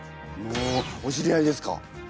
おおお知り合いですか？